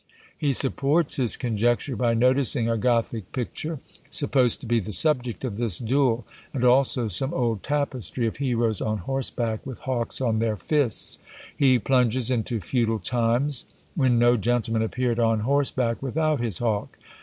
He supports his conjecture by noticing a Gothic picture, supposed to be the subject of this duel, and also some old tapestry of heroes on horseback with hawks on their fists; he plunges into feudal times, when no gentleman appeared on horseback without his hawk.